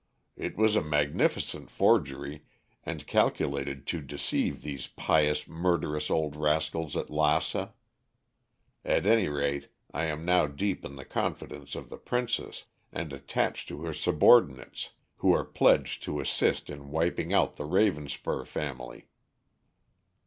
"It was a magnificent forgery, and calculated to deceive those pious murderous old rascals at Lassa. At any rate, I am now deep in the confidence of the princess, and attached to her subordinates, who are pledged to assist in wiping out the Ravenspur family."